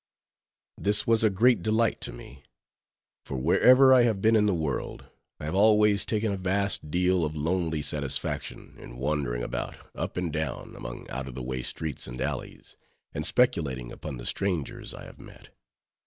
This was a great delight to me: for wherever I have been in the world, I have always taken a vast deal of lonely satisfaction in wandering about, up and down, among out of the way streets and alleys, and speculating upon the strangers I have met.